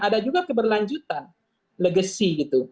ada juga keberlanjutan legacy gitu